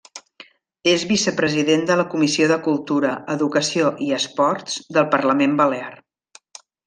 És vicepresident de la Comissió de Cultura, Educació i Esports del Parlament Balear.